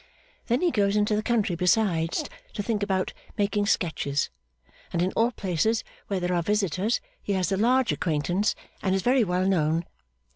Then he goes into the country besides, to think about making sketches; and in all places where there are visitors, he has a large acquaintance and is very well known.